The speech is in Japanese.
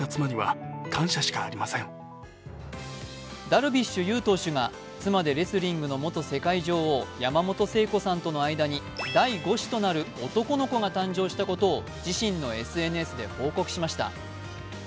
ダルビッシュ有投手が妻でレスリングの元世界女王山本聖子さんとの間に第５子となる男の子が誕生したことを自身のＳＮＳで報告しました。